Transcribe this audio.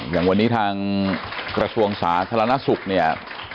อย่างวันนี้ทางกระชวงศาสนาสุขเนี่ย